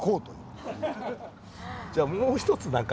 じゃあもう一つ何か。